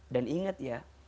dan ingat ya